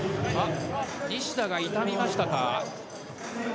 西田が痛みましたか？